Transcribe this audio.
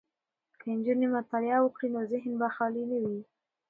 که نجونې مطالعه وکړي نو ذهن به یې خالي نه وي.